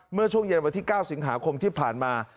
เมื่อช่วงเย็นวันที่๙สิงหาคมที่ผ่านมา